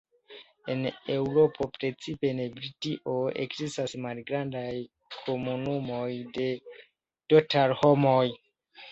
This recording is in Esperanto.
En Eŭropo, precipe en Britio, ekzistas malgrandaj komunumoj de Dhothar-homoj.